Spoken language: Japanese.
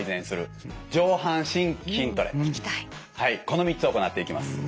この３つを行っていきます。